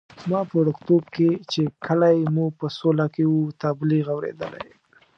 ما په وړکتوب کې چې کلی مو په سوله کې وو، تبلیغ اورېدلی.